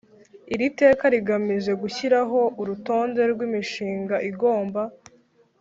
Iri teka rigamije gushyiraho urutonde rw imishinga igomba